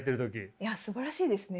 いやすばらしいですね。